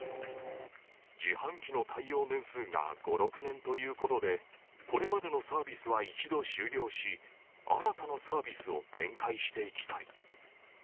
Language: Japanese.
自販機の耐用年数が５、６年ということで、これまでのサービスは一度終了し、新たなサービスを展開していきたい。